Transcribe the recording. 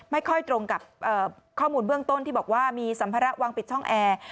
ไม่ค่อยตรงกับข้อมูลเบื้องต้นที่บอกว่ามีสัมภาระวางปิดช่องแอร์